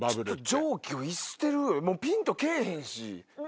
常軌を逸してるよピンと来ぇへんし。